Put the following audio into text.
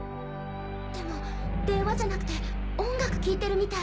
でも電話じゃなくて音楽聴いてるみたい。